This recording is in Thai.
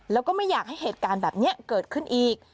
แล้วก็ไม่อยากให้เหตุการณ์แบบนี้เกิดขึ้นอีก